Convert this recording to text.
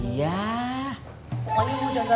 bertanggung jawab iya bertanggung jawab iya